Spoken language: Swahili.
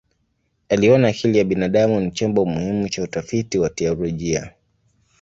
Aliona akili ya binadamu ni chombo muhimu cha utafiti wa teolojia.